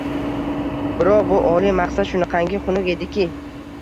Biroq, bu oliy maqsad shunaqangi xunuk ediki!